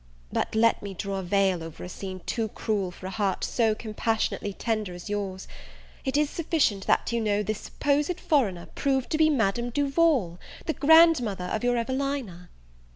But let me draw a veil over a scene too cruel for a heart so compassionately tender as your's; it is sufficient that you know this supposed foreigner proved to be Madame Duval, the grandmother of your Evelina!